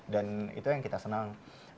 dan itu yang kita seneng